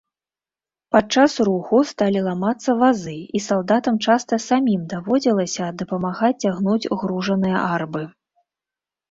Падчас руху сталі ламацца вазы, і салдатам часта самім даводзілася дапамагаць цягнуць гружаныя арбы.